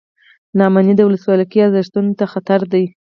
نا امني د ولسواکۍ ارزښتونو ته خطر دی.